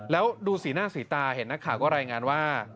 แล้วดูสีหน้าสีตาเห็นนักข่าวก็รายงานว่า